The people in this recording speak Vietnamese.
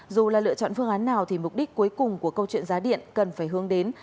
dù là lựa chọn phương án nào thì mục đích cuối cùng của câu chuyện giá điện cần phải hướng đến